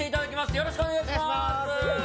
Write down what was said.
よろしくお願いします。